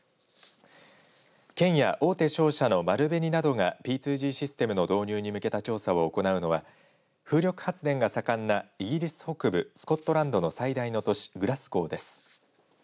県や大手商社の丸紅などがＰ２Ｇシステムの導入に向けた調査を行うのは風力発電が盛んなイギリス北部スコットランドの最大の都市グラスゴーです。